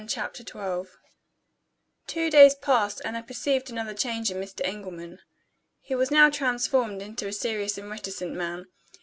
CHAPTER XII Two days passed, and I perceived another change in Mr. Engelman. He was now transformed into a serious and reticent man.